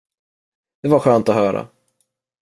Det var skönt att höra.